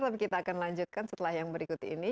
tapi kita akan lanjutkan setelah yang berikut ini